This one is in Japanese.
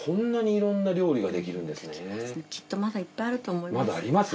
きっとまだいっぱいあると思います。